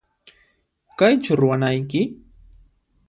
Kaychu ruwanayki?